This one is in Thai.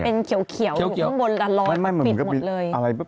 เป็นเขียวอยู่ข้างบนละร้อยปิดหมดเลย